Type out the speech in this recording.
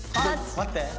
待って。